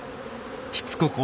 しつこく